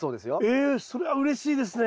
ええそれはうれしいですね！